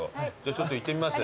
ちょっと行ってみます。